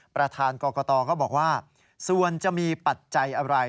ประธานกรกตก็บอกว่าส่วนจะมีปัจจัยอะไร